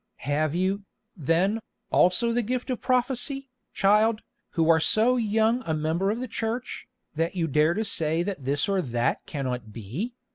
"Have you, then, also the gift of prophecy, child, who are so young a member of the Church, that you dare to say that this or that cannot be?